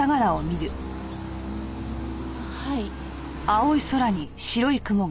はい。